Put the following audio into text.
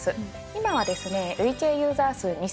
今はですね。